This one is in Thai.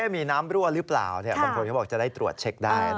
มีน้ำรั่วหรือเปล่าบางคนก็บอกจะได้ตรวจเช็คได้